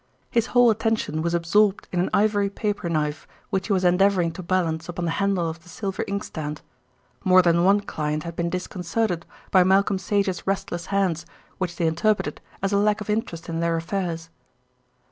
His whole attention was absorbed in an ivory paper knife, which he was endeavouring to balance upon the handle of the silver inkstand. More than one client had been disconcerted by Malcolm Sage's restless hands, which they interpreted as a lack of interest in their affairs.